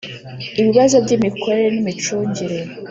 ibibazo by imikorere n imicungire